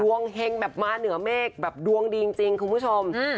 ดวงเห้งแบบมาเหนือเมฆแบบดวงดีจริงจริงคุณผู้ชมอืม